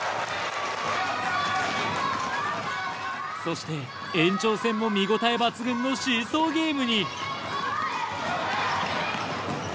そして延長戦も見応え抜群のシーソーゲームに。